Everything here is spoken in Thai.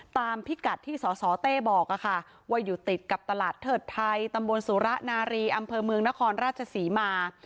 พิกัดที่สสเต้บอกว่าอยู่ติดกับตลาดเทิดไทยตำบลสุระนารีอำเภอเมืองนครราชศรีมา